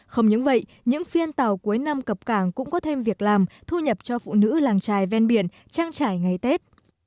không những vậy những phiên tàu cuối năm cập cảng cũng có thêm việc làm thu nhập cho phụ nữ làng trài ven biển trang trải ngày tết